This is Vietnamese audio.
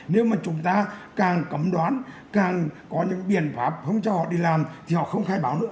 nếu mà chúng ta càng cấm đoán càng có những biện pháp không cho họ đi làm thì họ không khai báo nữa